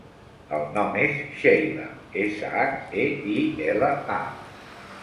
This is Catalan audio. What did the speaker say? El nom és Sheila: essa, hac, e, i, ela, a.